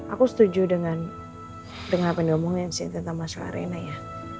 aku setuju dengan apa yang dia omongin sih tentang masalah reina ya